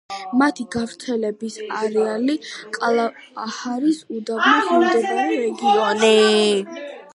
მათი გავრცელების არეალია კალაჰარის უდაბნოს მიმდებარე რეგიონი.